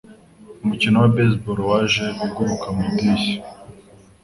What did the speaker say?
Umukino wa baseball waje uguruka mu idirishya.